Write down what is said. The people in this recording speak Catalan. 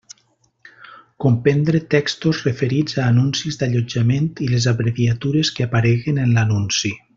Comprendre textos referits a anuncis d'allotjament i les abreviatures que apareguen en l'anunci.